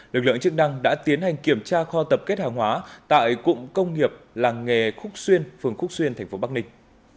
lực lượng chức năng đã tiến hành kiểm tra kho tập kết hàng hóa tại cụng công nghiệp làng nghề khúc xuyên phường khúc xuyên thành phố bắc ninh